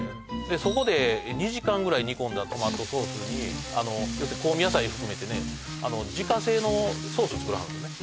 でそこで２時間ぐらい煮込んだトマトソースにあの香味野菜含めてね自家製のソース作らはるんですね